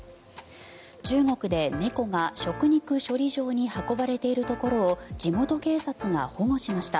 中国で猫が食肉処理場に運ばれているところを地元警察が保護しました。